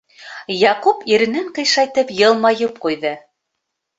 Яҡуп иренен ҡыйшайтып йылмайып ҡуйҙы.